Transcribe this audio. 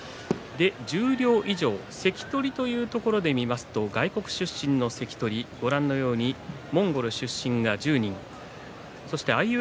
十両以上の関取というところを見ますと外国出身の関取モンゴル出身の力士が１０人。